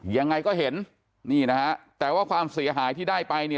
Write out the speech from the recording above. ยังไงก็เห็นนี่นะฮะแต่ว่าความเสียหายที่ได้ไปเนี่ย